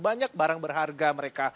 banyak barang berharga mereka